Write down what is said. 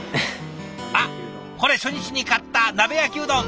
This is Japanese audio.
あっこれ初日に買った鍋焼きうどん！